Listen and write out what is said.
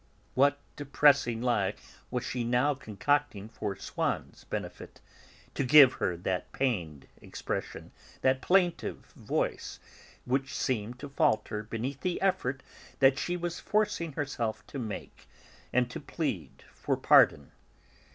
What depressing lie was she now concocting for Swann's benefit, to give her that pained expression, that plaintive voice, which seemed to falter beneath the effort that she was forcing herself to make, and to plead for pardon?